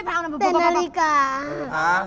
แต่นาฬิกา